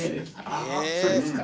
あそうですか。